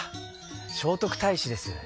聖徳太子です。